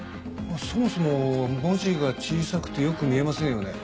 そもそも文字が小さくてよく見えませんよね。